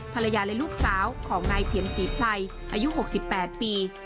ภรรยาและลูกสาวของนายเพียรศรีไพรอายุ๖๘ปี